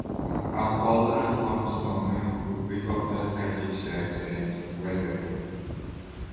Afg‘onlar Afg‘onistonni quruqlik orqali tark etishlari kerak — vazir